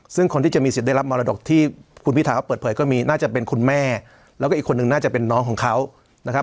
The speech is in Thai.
ซึ่งคนที่จะมีสิทธิ์ได้รับมรดกที่คุณพิธาเขาเปิดเผยก็มีน่าจะเป็นคุณแม่แล้วก็อีกคนนึงน่าจะเป็นน้องของเขานะครับ